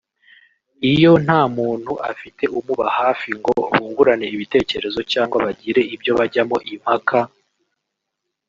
Iyo nta muntu afite umuba hafi ngo bungurane ibitekerezo cyangwa bagire ibyo bajyaho impaka